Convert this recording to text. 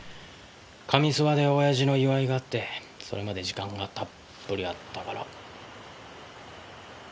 上諏訪で親父の祝いがあってそれまで時間がたっぷりあったから。